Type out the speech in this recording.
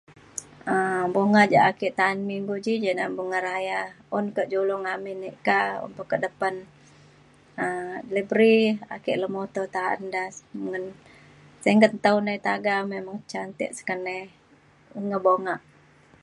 um bonga ja' ake ta'an minggu ji ja ne bunga raya un ke julung amin ek ka un pe ke depan um libri ake lemoto ta'an da ngen sengket tau nai taga memang cantik sik keney ngebongak